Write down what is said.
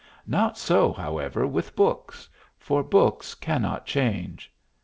Not so, however, with books, for books cannot change.